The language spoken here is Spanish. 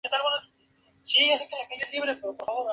Fue electo senador por la provincia de Las Villas.